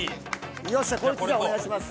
よっしゃこいつお願いします。